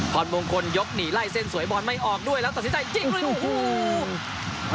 พรมงคลยกหนีไล่เส้นสวยบอลไม่ออกด้วยแล้วตัดสินใจยิงด้วยโอ้โห